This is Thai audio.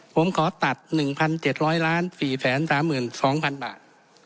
ผมขอตัด๑๗๐๐๔๓๒๐๐๐บาท